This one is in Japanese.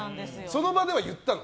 その場では言ったの？